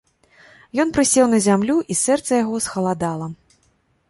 Ён прысеў на зямлю, і сэрца яго схаладала.